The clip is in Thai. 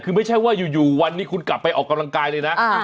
คือไม่ใช่ว่าอยู่วันนี้คุณกลับไปออกกำลังกายเลยนะ